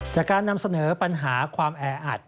จากการนำเสนอปัญหาความแออัด